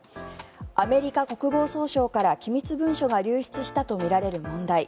アメリカ国防総省から機密文書が流出したとみられる問題。